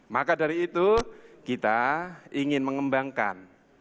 maka dari itu kita ingin mengembangkan